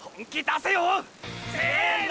せの！